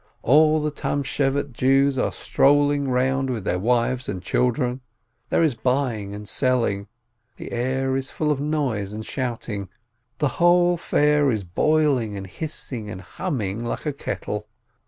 All the Tamschevate Jews are strolling round with their wives and children, there is buying and selling, the air is full of noise and shouting, the whole fair is boiling and hissing and humming like a kettle.